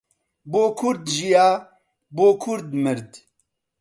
بۆ کورد ژیا، بۆ کورد مرد